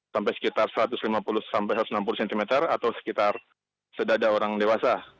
sampai sekitar satu ratus lima puluh sampai satu ratus enam puluh cm atau sekitar sedada orang dewasa